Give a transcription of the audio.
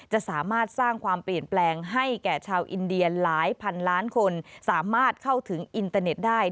จะสามารถสร้างความเปลี่ยนแปลงให้แก่ชาวอินเดียหลายพันล้านคนสามารถเข้าถึงอินเตอร์เน็ตได้